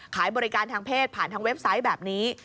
ขายบริการทางเพศผ่านทางเว็บไซต์แบบนี้